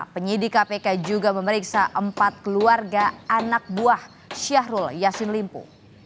penyidik kpk juga memeriksa empat keluarga anak buah syahrul yassin limpo